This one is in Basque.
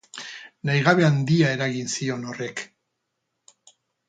Nahigabe handia eragin zion horrek.